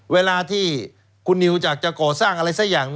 เวลาที่คุณนิวอยากจะก่อสร้างอะไรสักอย่าง